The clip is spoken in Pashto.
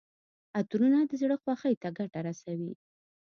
عطرونه د زړه خوښۍ ته ګټه رسوي.